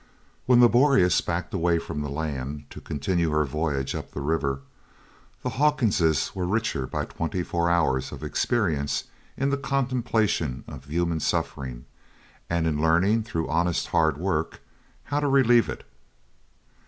When the Boreas backed away from the land to continue her voyage up the river, the Hawkinses were richer by twenty four hours of experience in the contemplation of human suffering and in learning through honest hard work how to relieve it.